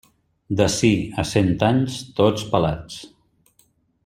D'ací a cent anys, tots pelats.